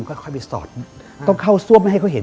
ก็เอาหนังสูตรผิมให้เขาเห็น